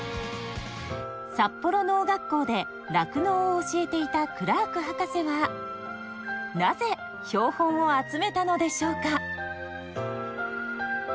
札幌農学校で酪農を教えていたクラーク博士はなぜ標本を集めたのでしょうか？